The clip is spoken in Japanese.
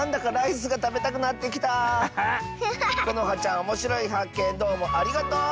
このはちゃんおもしろいはっけんどうもありがとう！